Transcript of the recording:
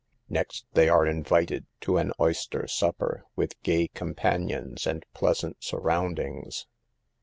Next they are invited to an oyster supper, with gay companions and pleasant sur roundings.